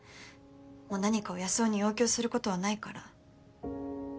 もう何かを安生に要求することはないから。